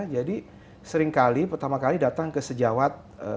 jadi seringkali pertama kali datang ke sejawat